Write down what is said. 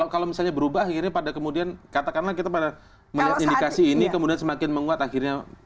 kalau misalnya berubah akhirnya pada kemudian katakanlah kita pada melihat indikasi ini kemudian semakin menguat akhirnya